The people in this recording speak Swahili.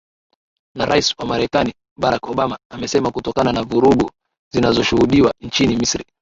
na rais wa marekani barack obama amesema kutokana na vurugu zinazoshuhudiwa nchini misri